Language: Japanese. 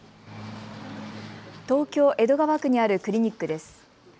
東京江戸川区にあるクリニックです。